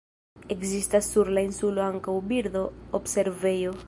Ekzistas sur la insulo ankaŭ birdo-observejo.